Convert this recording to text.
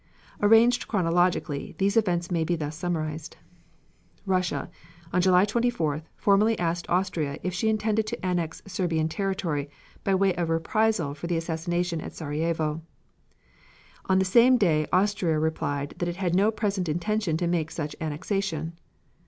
Arranged chronologically, these events may thus be summarized: Russia, on July 24th, formally asked Austria if she intended to annex Serbian territory by way of reprisal for the assassination at Sarajevo. On the same day Austria replied that it had no present intention to make such annexation.